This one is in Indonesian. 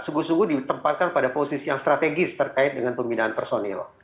sungguh sungguh ditempatkan pada posisi yang strategis terkait dengan pembinaan personil